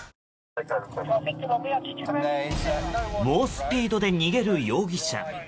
猛スピードで逃げる容疑者。